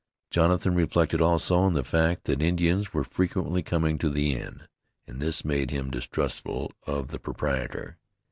Jonathan reflected also on the fact that Indians were frequently coming to the inn, and this made him distrustful of the proprietor.